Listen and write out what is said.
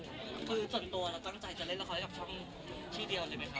คือส่วนตัวเราตั้งใจจะเล่นละครกับช่องที่เดียวเลยไหมคะ